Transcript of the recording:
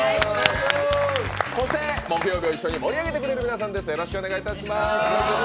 そして木曜日を一緒に盛り上げてくれる皆さんです。